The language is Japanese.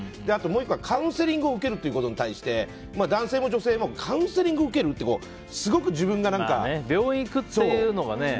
もう１個はカウンセリングを受けることに対して男性も女性もカウンセリングを受ける？って病院に行くっていうのがね。